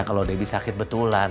kalau debbie sakit betulan